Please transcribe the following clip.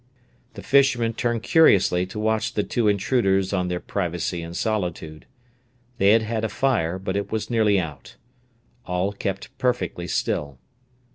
The fishermen turned curiously to watch the two intruders on their privacy and solitude. They had had a fire, but it was nearly out. All kept perfectly still.